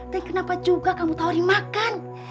dan kenapa juga kamu tawari makan